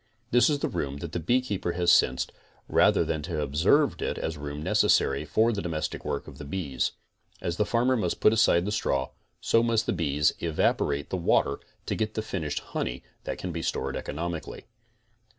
This is the room that the beekeeper has sensed, rather than to have observed it as room necessary for the domestic work of the bees. As the farmer must put aside the straw, so must the bees evaporate the water to 'get the finished honey that can be stored economically.